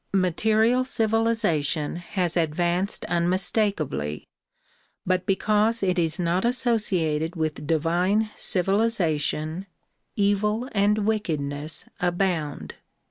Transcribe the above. Material civilization has advanced unmistakably but because it is not associated with divine civilization, evil and wickedness abound.